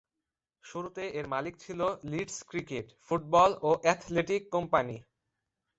শুরুতে এর মালিক ছিল লিডস ক্রিকেট, ফুটবল ও অ্যাথলেটিক কোম্পানী।